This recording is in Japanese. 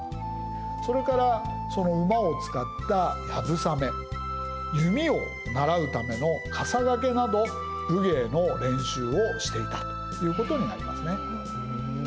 それからその馬を使った流鏑馬弓を習うための笠懸など武芸の練習をしていたということになりますね。